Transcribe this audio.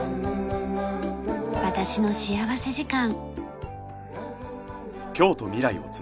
『私の幸福時間』。